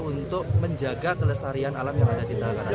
untuk menjaga kelestarian alam yang ada di dataran